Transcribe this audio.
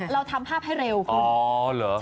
เราทำภาพให้เร็ว